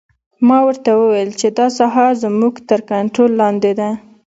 ما ورته وویل چې دا ساحه زموږ تر کنترول لاندې ده